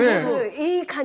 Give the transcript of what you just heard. いい感じ。